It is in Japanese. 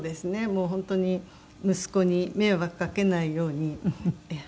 もう本当に息子に迷惑かけないようにええ